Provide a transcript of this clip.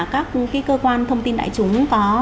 các cái cơ quan thông tin đại chúng có